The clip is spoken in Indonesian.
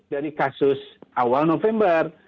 dari kasus awal november